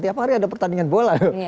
tiap hari ada pertandingan bola